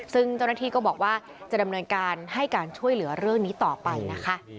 ซึ่งเจ้าหน้าที่ก็บอกว่าจะดำเนินการให้การช่วยเหลือเรื่องนี้ต่อไปนะคะ